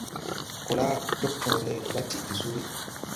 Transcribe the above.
Kola Cogcõõre la tiʼ de suuli.